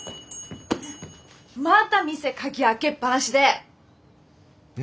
また店鍵開けっ放しで！